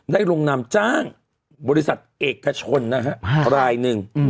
ลงนำจ้างบริษัทเอกชนนะฮะรายหนึ่ง